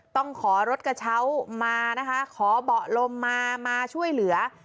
ต้องขอรถกระเช้ามานะคะขอเบาะลมมามาช่วยเหลือ